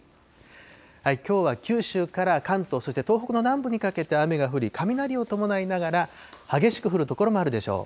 きょうは九州から関東、そして東北の南部にかけて雨が降り、雷を伴いながら、激しく降る所もあるでしょう。